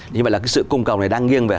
như vậy là cái sự cung cầu này đang nghiêng về